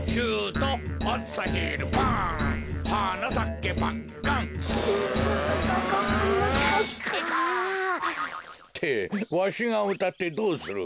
ってわしがうたってどうする。